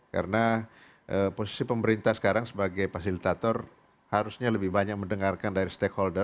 karena posisi pemerintah sekarang sebagai fasilitator harusnya lebih banyak mendengarkan dari stakeholder